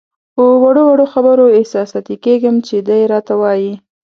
په وړو وړو خبرو احساساتي کېږم چې دی راته وایي.